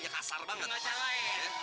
kasar banget gak mau ngacalain